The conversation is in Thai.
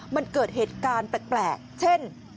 มันเกิดเหตุการณ์แปลกเช่น